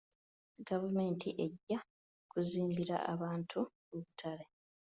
Gavumenti ejja kuzimbira abantu obutale.